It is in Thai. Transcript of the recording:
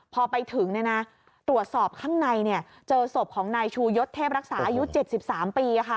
พอไปถึงเนี้ยนะตรวจสอบข้างในเนี้ยเจอศพของนายชูยศเทพรักษาอายุเจ็ดสิบสามปีค่ะ